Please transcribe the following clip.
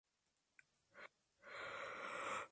Steffi ganaría los siguientes cinco juegos y el título.